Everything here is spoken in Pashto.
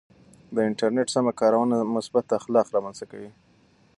د انټرنیټ سمه کارونه مثبت اخلاق رامنځته کوي.